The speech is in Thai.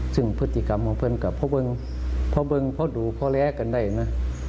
ซึ่งพฤติกรรมของเพื่อนก็เพราะเบิ้งเพราะดูเพราะแลกันได้นะ